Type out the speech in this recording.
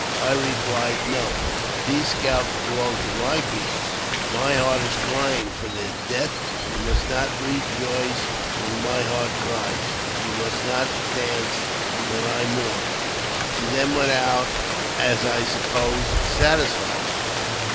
I replied, "No; these scalps belonged to my people; my heart is crying for their death ; 'you must not rejoice when my heart cries : you must not dance when I mourn." She then went out, as I supposed, satisfied.